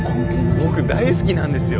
僕大好きなんですよ